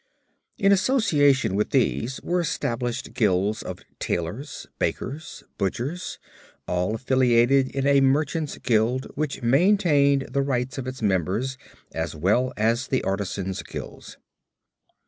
In association with these were established guilds of tailors, bakers, butchers, all affiliated in a merchants' guild which maintained the rights of its members as well as the artisans' guilds.